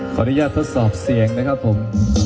ขออนุญาตทดสอบเสียงนะครับผม